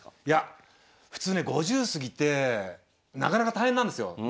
いや普通ね５０過ぎてなかなか大変なんですよ。